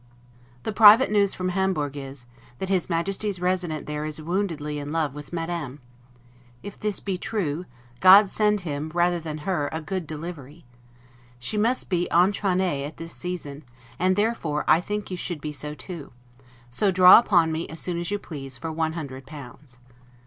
The private news from Hamburg is, that his Majesty's Resident there is woundily in love with Madame ; if this be true, God send him, rather than her, a good DELIVERY! She must be 'etrennee' at this season, and therefore I think you should be so too: so draw upon me as soon as you please, for one hundred pounds.